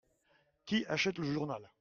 Qui achète le journal ?